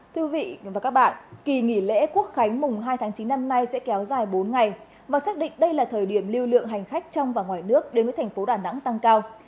thưa quý vị và các bạn kỳ nghỉ lễ quốc khánh mùng hai tháng chín năm nay sẽ kéo dài bốn ngày và xác định đây là thời điểm lưu lượng hành khách trong và ngoài nước đến với thành phố đà nẵng tăng cao